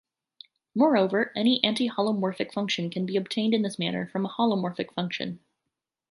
Moreover, any antiholomorphic function can be obtained in this manner from a holomorphic function.